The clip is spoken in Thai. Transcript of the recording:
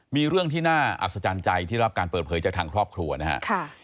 มีเรื่องที่น่าอัศจรรย์ใจที่รับการเปิดเผยจากทางครอบครัวนะครับ